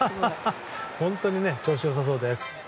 本当に調子良さそうです。